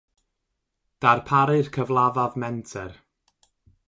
darparu'r cyfalaf menter.